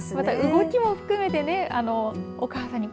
動きも含めてお母さんに。